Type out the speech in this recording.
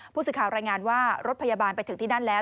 ผู้สื่อข่าวรายงานว่ารถพยาบาลไปถึงที่นั่นแล้ว